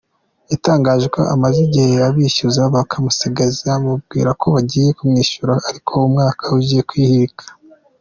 Yatangaje ko amaze igihe abishyuza bakamusiragiza bamubwira ko bagiye kumwishyura ariko umwaka ugiye kwihirika.